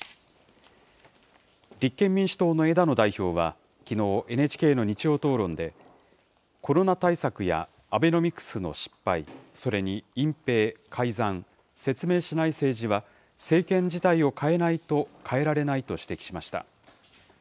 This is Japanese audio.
立憲民主党の枝野代表は、きのう、ＮＨＫの日曜討論で、コロナ対策やアベノミクスの失敗、それに隠ぺい、改ざん、説明しない政治は、政権自体を変えないと変えられないと指摘しました。